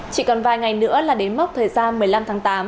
chỉ còn vài ngày nữa là đến mốc thời gian một mươi năm tháng tám